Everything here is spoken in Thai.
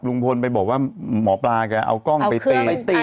ลุงพลไปบอกว่าหมอปลาแกเอากล้องไปตี